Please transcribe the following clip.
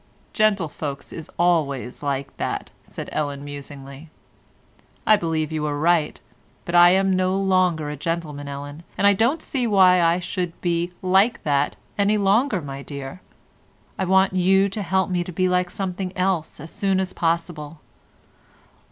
"Gentlefolks is always like that," said Ellen musingly. "I believe you are right, but I am no longer a gentleman, Ellen, and I don't see why I should be 'like that' any longer, my dear. I want you to help me to be like something else as soon as possible."